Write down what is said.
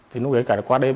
thì lúc đấy cả qua đêm